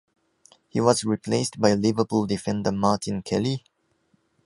He was replaced by Liverpool defender Martin Kelly.